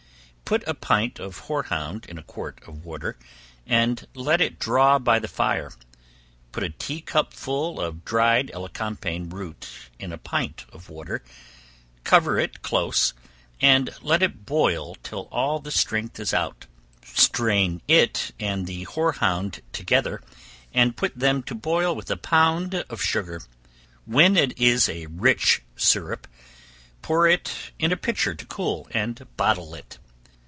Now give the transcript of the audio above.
Put a pint of hoarhound in a quart of water, and let it draw by the fire; put a tea cupful of dried elecampane root in a pint of water, cover it close, and let it boil till all the strength is out; strain it and the hoarhound together, and put them to boil with a pound of sugar; when it is a rich syrup, pour it in a pitcher to cool, and bottle it.